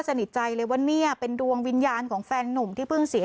สนิทใจเลยว่าเนี่ยเป็นดวงวิญญาณของแฟนนุ่มที่เพิ่งเสีย